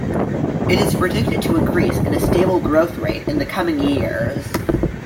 It is predicted to increase in a stable growth rate in the coming years.